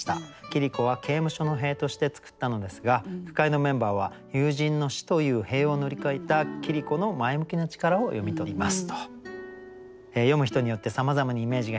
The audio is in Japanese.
桐子は刑務所の塀として作ったのですが句会のメンバーは友人の死という塀を乗り越えた桐子の前向きな力を読み取ります」。